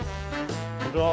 こんにちは。